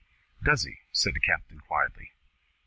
"Does he?" said the captain quietly.